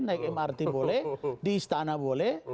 naik mrt boleh